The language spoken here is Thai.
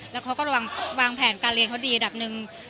แล้วเขาก็วางแผนการเรียนเขาดีอันดับหนึ่ง